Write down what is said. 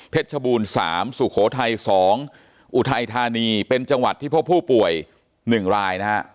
ชบูร๓สุโขทัย๒อุทัยธานีเป็นจังหวัดที่พบผู้ป่วย๑รายนะฮะ